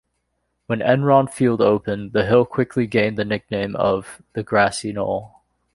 When Enron Field opened, the hill quickly gained the nickname of "The Grassy Knoll".